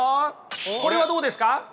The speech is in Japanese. これはどうですか？